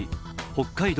北海道